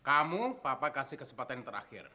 aduh ayah kenapa gak dateng ya